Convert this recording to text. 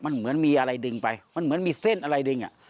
มันเหมือนมีอะไรดึงไปมันเหมือนมีเส้นอะไรดึงอ่ะ